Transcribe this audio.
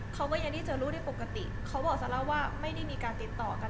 เขาก็ยังที่จะรู้ได้ปกติเขาบอกซาร่าว่าไม่ได้มีการติดต่อกัน